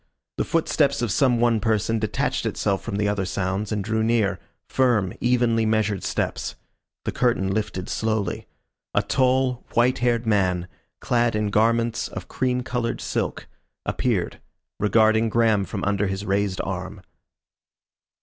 The footsteps of some one person detached itself from the other sounds, and drew near, firm, evenly measured steps. The curtain lifted slowly. A tall, white haired man, clad in garments of cream coloured silk, appeared, regarding Graham from under his raised arm.